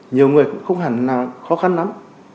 nhiều người cũng không hẳn là khó khăn lắm